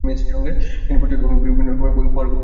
তিনি প্রচুর এবং বিভিন্ন রকমের বই পড়তে শুরু করেন।